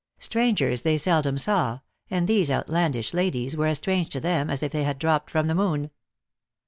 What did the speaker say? Strangers they seldom saw, and these outlandish ladies were as strange to them as if they had dropped from the moon.